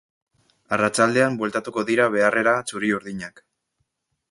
Arratsaldean bueltatuko dira beharrera txuri-urdinak.